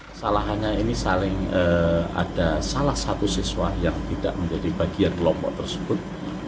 kesalahannya ini saling ada salah satu siswa yang tidak menjadi bagian kelompok tersebut